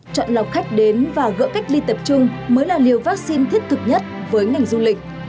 chọn lọc khách đến và gỡ cách ly tập trung mới là liều vaccine thiết thực nhất với ngành du lịch